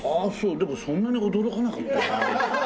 でもそんなに驚かなかったな。